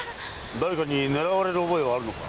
誰かに狙われる覚えはあるのか？